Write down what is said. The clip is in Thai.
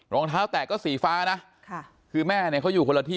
รองเท้าแตกก็สีฟ้านะค่ะคือแม่เนี่ยเขาอยู่คนละที่